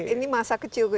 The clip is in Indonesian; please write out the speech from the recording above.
ini masa kecil